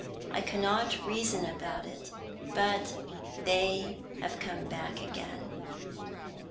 I cannot reason about it, but they have come back again."